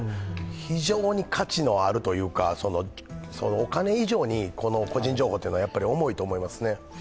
非常に価値のあるというか、お金以上に個人情報というのは重いと思いますね。